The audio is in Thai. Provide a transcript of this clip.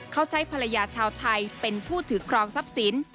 เขาใช้ภรรยาชาวไทยเป็นผู้ถือครองทรัพย์สิน